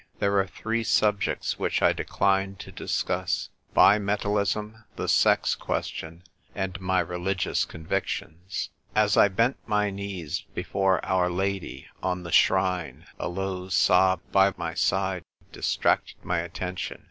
There are three subjects which I decline to discuss : bi metallism, the sex question, and my religious convictions. As I bent my knee before Our Lad}' on the shrine a low sob by my side distracted my at tention.